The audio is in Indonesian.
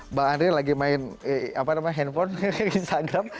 mbak andre lagi main handphone instagram